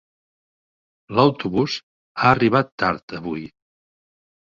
L'autobús ha arribat tard avui.